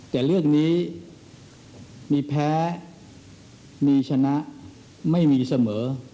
แต่เรื่องนี้มีแพ้มีชนะไม่มีเสมอ